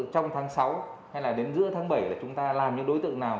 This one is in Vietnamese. trong tháng sáu hay là đến giữa tháng bảy là chúng ta làm những đối tượng nào